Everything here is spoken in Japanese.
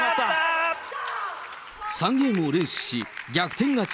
３ゲームを連取し、逆転勝ち。